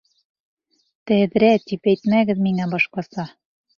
«Тәҙрә» тип әйтмәгеҙ миңә башҡаса!